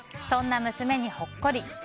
そんな娘にほっこり。